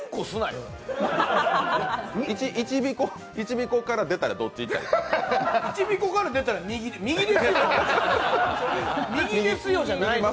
いちびこから出たら、どっち行ったらいいの？